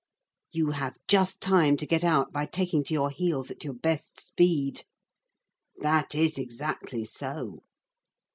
"You have just time to get out by taking to your heels at your best speed." "That is exactly so."